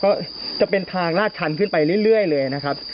ก็จะเป็นทางลาดชันขึ้นไปเรื่อยเลยนะครับ